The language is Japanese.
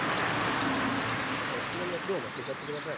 お好きな量のっけちゃって下さい。